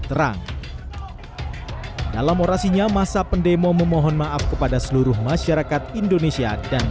terang dalam orasinya masa pendemo memohon maaf kepada seluruh masyarakat indonesia dan